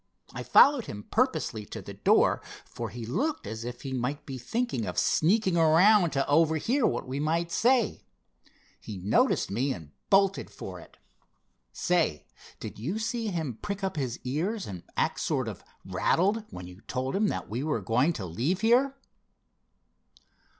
I followed him purposely to the door, for he looked as if he might be thinking of sneaking around to overhear what we might say. He noticed me, and bolted for it. Say, did you see him prick up his ears and act sort of rattled, when you told him that we were going to leave here?"